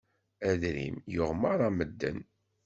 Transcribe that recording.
Adrim yuɣ meṛṛa medden.